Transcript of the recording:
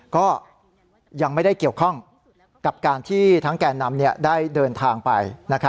ก็ยังไม่ได้เกี่ยวข้องกับการที่ทั้งแก่นำได้เดินทางไป